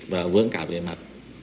và vướng cả về mặt